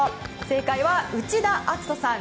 正解は内田篤人さん。